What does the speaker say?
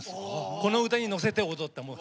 この歌にのせて踊ったの。